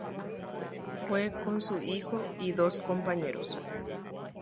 Oho ita'ýra ha mokõi iñirũ ndive.